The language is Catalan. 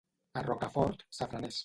A Rocafort, safraners.